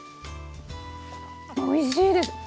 おいしいです。